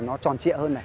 nó tròn trịa